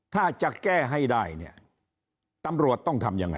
ถ้าจะแก้ให้ได้เนี่ยตำรวจต้องทำยังไง